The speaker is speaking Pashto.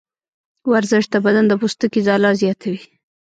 ورزش د بدن د پوستکي ځلا زیاتوي.